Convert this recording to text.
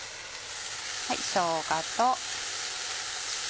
しょうがと。